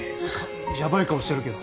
やばい顔してるけど。